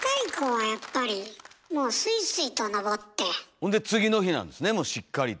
ほんで次の日なんですねしっかりと。